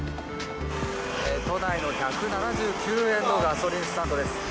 都内の１７９円のガソリンスタンドです。